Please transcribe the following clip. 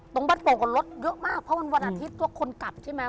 ตรงบ้านโป่งกับรถเยอะมากเพราะวันอาทิตย์ทุกคนกลับใช่ไหม